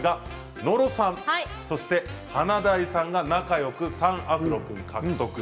野呂さん、そして華大さんが仲よく３アフロ君獲得。